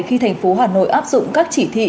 khi thành phố hà nội áp dụng các chỉ thị